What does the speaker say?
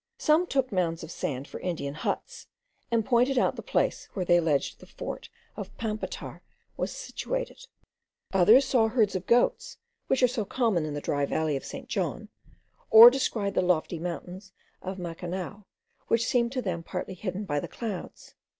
Some took mounds of sand for Indian huts, and pointed out the place where they alleged the fort of Pampatar was situated; others saw herds of goats, which are so common in the dry valley of St. John; or descried the lofty mountains of Macanao, which seemed to them partly hidden by the clouds.